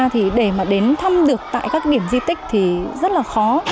thì để mà đến thăm được tại các điểm di tích thì rất là khó